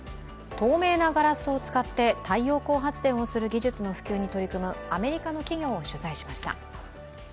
透明なガラスを使って太陽光発電をする技術の普及に取り組むアメリカの企業を取材しました。